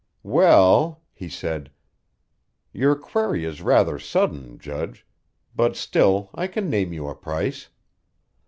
"Well," he said, "your query is rather sudden, Judge, but still I can name you a price.